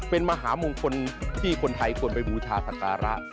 เป็นมหามงคลที่คนไทยควรไปบูชาศักระ